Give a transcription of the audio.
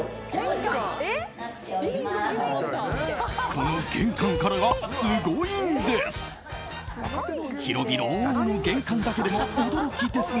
この玄関からが、すごいんです。